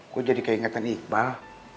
aku jadi keingetan iqbal